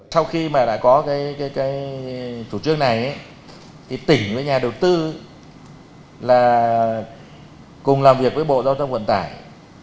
sau khi mà đã có cái chủ trương này thì tỉnh với nhà đầu tư là cùng làm việc với bộ giao thông vận tải